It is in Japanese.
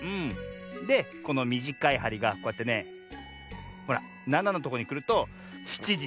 でこのみじかいはりがこうやってねほら７のとこにくると７じちょうどってわけよ。